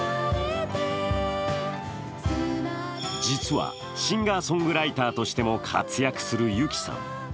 実はシンガーソングライターとしても活躍する湯木さん。